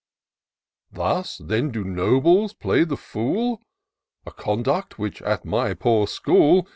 Thus, then, do nobles play the fool ! A conduct which, in my poor school.